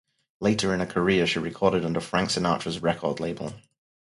Later in her career she recorded under Frank Sinatra's record label.